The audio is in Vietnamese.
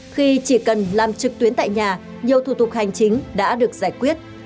khi chỉ cần làm trực tuyến tại nhà nhiều thủ tục hành chính đã được giải quyết